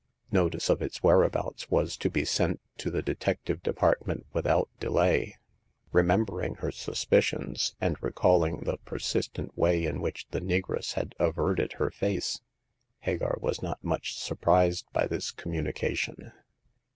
Notice of its whereabouts was to be sent to the Detective Department without delay. Remem bering her suspicions, and recalling the persist ent way in which the negress had averted her face, Hagar was not much surprised by this com munication.